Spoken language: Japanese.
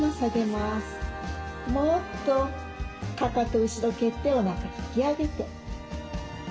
もっとかかと後ろ蹴っておなか引き上げて。